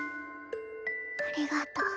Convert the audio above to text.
ありがとう。